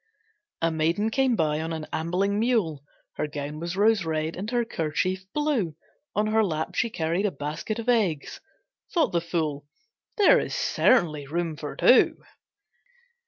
A maiden came by on an ambling mule, Her gown was rose red and her kerchief blue, On her lap she carried a basket of eggs. Thought the fool, "There is certainly room for two."